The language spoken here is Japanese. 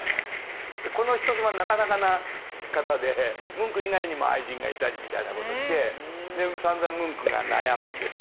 この人妻はなかなかな方でムンク以外にも愛人がいたりみたいな事して散々ムンクが悩むんですよ。